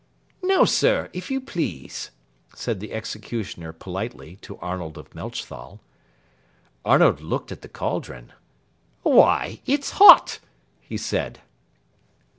"Now, sir, if you please," said the executioner politely to Arnold of Melchthal. Arnold looked at the caldron. "Why, it's hot," he said.